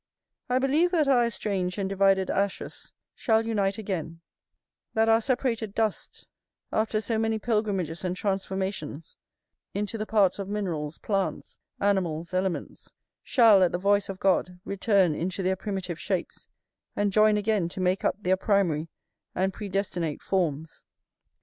I believe that our estranged and divided ashes shall unite again; that our separated dust, after so many pilgrimages and transformations into the parts of minerals, plants, animals, elements, shall, at the voice of God, return into their primitive shapes, and join again to make up their primary and predestinate forms.